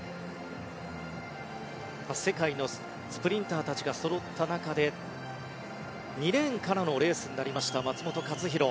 世界のスプリンターたちがそろった中で２レーンからのレースになりました、松元克央。